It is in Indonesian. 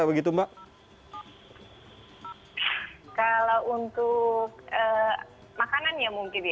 kalau untuk makanan ya mungkin ya